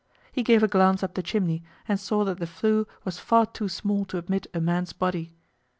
He gave a glance up the chimney, and saw that the flue was far too small to admit a man's body.